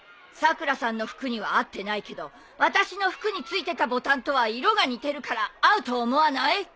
さくらさんの服には合ってないけど私の服に付いてたボタンとは色が似てるから合うと思わない？